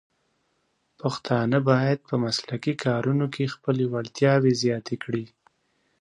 پښتانه بايد په مسلکي کارونو کې خپلې وړتیاوې زیاتې کړي.